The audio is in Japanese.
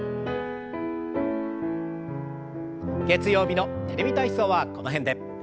月曜日の「テレビ体操」はこの辺で。